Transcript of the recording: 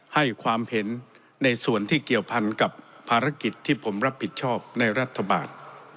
ให้ความเห็นในส่วนที่เกี่ยวพันกับภารกิจที่ผมรับผิดชอบในรัฐบาล